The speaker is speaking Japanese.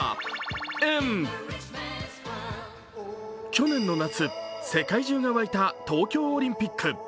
去年の夏、世界中が沸いた東京オリンピック。